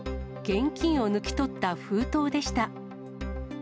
現金を抜き取った封筒でした。